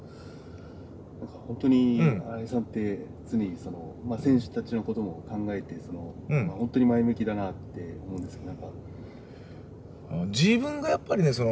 本当に新井さんって常に選手たちのことを考えて本当に前向きだなって思うんですけど。